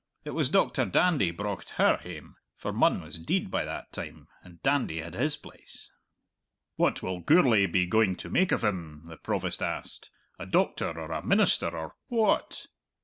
It was Doctor Dandy brocht her hame, for Munn was deid by that time, and Dandy had his place." "What will Gourlay be going to make of him?" the Provost asked. "A doctor or a minister or wha at?"